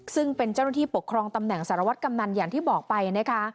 ซึ่งเป็นเจ้าหน้าที่ปกครองตำแหน่งสารวัตรกำนันอย่างที่บอกไปนะคะ